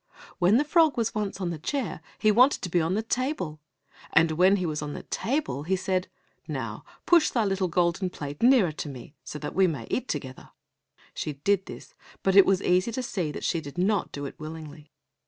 When the frog was once on the chair he wanted to be on the table, and when he was on the table he said, "Now, push thy little golden plate nearer to me that we may eat together." She did this, but it was easy to see that she did not do it willingly.